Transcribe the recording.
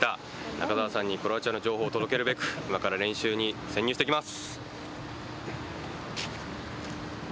中澤さんにクロアチアの情報を届けるべく、今から練習に潜入してきます！